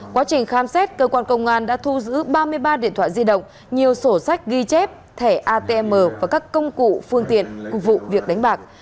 quá trình khám xét cơ quan công an đã thu giữ ba mươi ba điện thoại di động nhiều sổ sách ghi chép thẻ atm và các công cụ phương tiện phục vụ việc đánh bạc